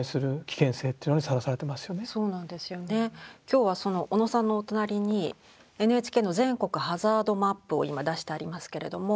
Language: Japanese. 今日はその小野さんのお隣にＮＨＫの全国ハザードマップを今出してありますけれども。